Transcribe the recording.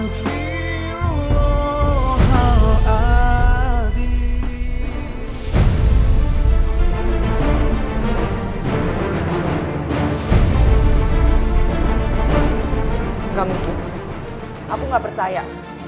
tidak mungkin aku nggak percaya